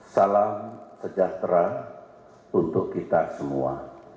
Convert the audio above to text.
salam sejahtera untuk kita semua